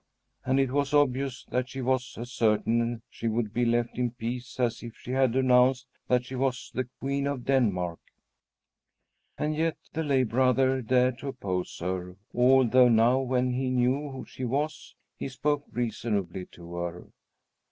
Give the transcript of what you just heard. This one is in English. And it was obvious that she was as certain she would be left in peace as if she had announced that she was the Queen of Denmark. And yet the lay brother dared to oppose her, although now, when he knew who she was, he spoke reasonably to her.